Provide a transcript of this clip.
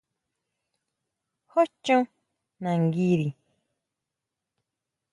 ¿Jú chon nanguiri?